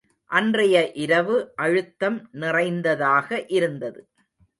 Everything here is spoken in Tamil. அன்றைய இரவு அழுத்தம் நிறைந்ததாக இருந்தது.